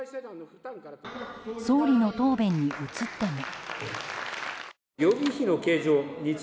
総理の答弁に移っても。